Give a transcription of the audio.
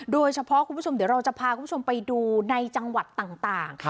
คุณผู้ชมเดี๋ยวเราจะพาคุณผู้ชมไปดูในจังหวัดต่าง